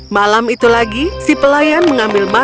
malam itu lagi si pelayan mengambil makanan